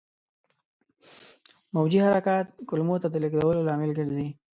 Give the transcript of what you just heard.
موجي حرکات کولمو ته د لېږدولو لامل ګرځي.